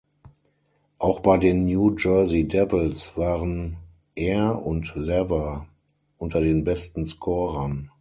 Auch bei den New Jersey Devils waren er und Lever unter den besten Scorern.